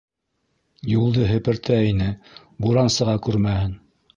Юлды һепертә ине, буран сыға күрмәһен...